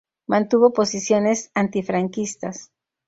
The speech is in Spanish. Mantuvo posiciones antifranquistas.